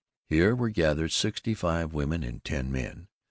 Here were gathered sixty five women and ten men.